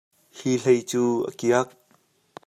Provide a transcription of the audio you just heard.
Hi hlei cu a kiak.